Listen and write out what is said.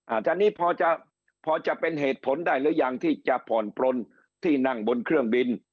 อันนี้พอจะพอจะเป็นเหตุผลได้หรือยังที่จะผ่อนปลนที่นั่งบนเครื่องบิน